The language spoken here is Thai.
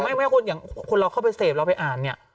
แต่ไม่คุณเราเข้าไปเซฟเราไปอ่านเนี่ย